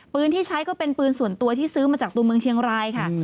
ที่ใช้ก็เป็นปืนส่วนตัวที่ซื้อมาจากตัวเมืองเชียงรายค่ะ